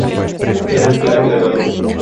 Era un claro ganador.